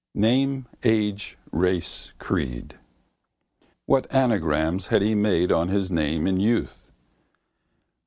Name, age, race, creed. What anagrams had he made on his name in youth?